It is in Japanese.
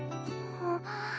あっ。